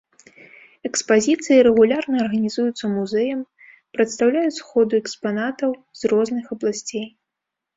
Экспазіцыі, рэгулярна арганізуюцца музеем, прадстаўляюць сходу экспанатаў з розных абласцей.